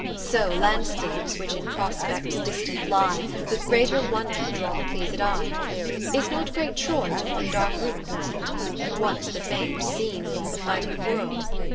So landscapes which in prospects distant lie, With greater wonder draw the pleased eye. Is not great Troy to one dark ruin hurl'd ? Once the fam'd scene of all the fighting world.